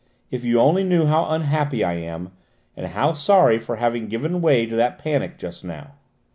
"If you only knew how unhappy I am, and how sorry for having given way to that panic just now!"